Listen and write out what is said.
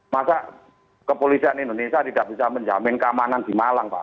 masa kepolisian indonesia tidak bisa menjamin keamanan di malang pak